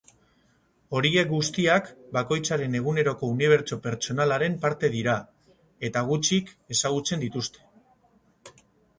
Horiek guztiak bakoitzaren eguneroko unibertso pertsonalaren parte dira, eta gutxik ezagutzen dituzte.